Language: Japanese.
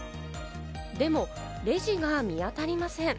でも、レジが見当たりません。